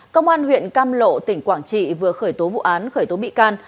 công an huyện cam lộ tỉnh quảng trị vừa khởi tố vụ án khởi tố bị can